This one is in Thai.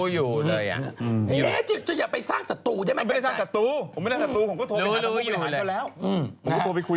เยอะ